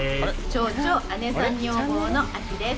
超超姉さん女房のアキです。